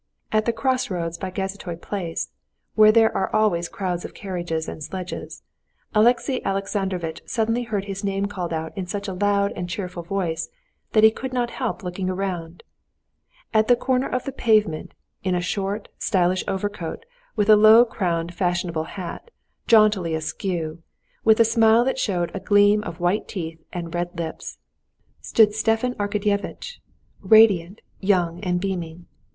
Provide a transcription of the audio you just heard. At the crossroads by Gazetoy Place, where there are always crowds of carriages and sledges, Alexey Alexandrovitch suddenly heard his name called out in such a loud and cheerful voice that he could not help looking round. At the corner of the pavement, in a short, stylish overcoat and a low crowned fashionable hat, jauntily askew, with a smile that showed a gleam of white teeth and red lips, stood Stepan Arkadyevitch, radiant, young, and beaming.